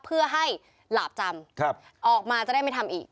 เพื่อให้หลาบจำออกมาจะได้ไม่ทำอีก